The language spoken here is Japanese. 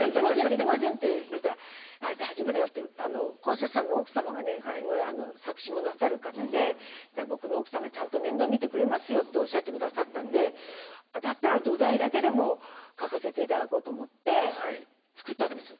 できません！」って言ったら「大丈夫だよ」って。こうせつさんの奥様が作詞もなさる方で「僕の奥さんがちゃんと面倒見てくれますよ」っておっしゃって下さったんでだったら土台だけでも書かせて頂こうと思って作ったんです。